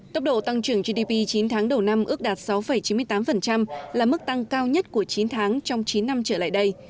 tốc độ tăng trưởng gdp chín tháng đầu năm ước đạt sáu chín mươi tám là mức tăng cao nhất của chín tháng trong chín năm trở lại đây